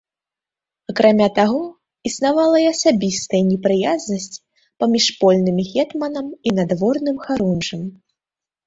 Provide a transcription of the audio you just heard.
Акрамя таго існавала і асабістая непрыязнасць паміж польным гетманам і надворным харунжым.